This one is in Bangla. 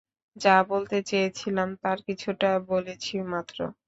যা বলতে চেয়েছিলাম, তার কিছুটা বলেছি মাত্র।